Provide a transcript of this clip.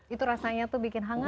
itu rasanya tuh bikin hangat